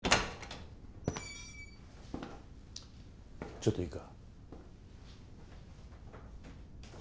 ちょっといいか？